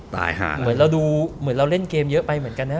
เหมือนเราดูเหมือนเราเล่นเกมเยอะไปเหมือนกันนะ